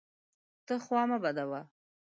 ته خوا مه بدوه!